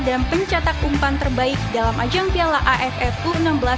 dan pencatat umpan terbaik dalam ajang piala aff u enam belas dua ribu delapan belas